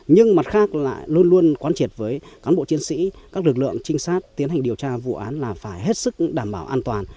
nhưng mặt khác lại luôn luôn quán triệt với cán bộ chiến sĩ các lực lượng trinh sát tiến hành điều tra vụ án là phải hết sức đảm bảo an toàn